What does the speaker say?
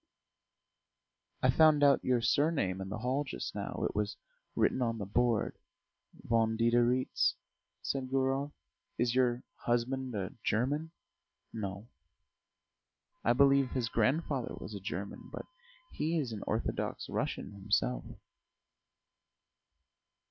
"I found out your surname in the hall just now: it was written on the board Von Diderits," said Gurov. "Is your husband a German?" "No; I believe his grandfather was a German, but he is an Orthodox Russian himself."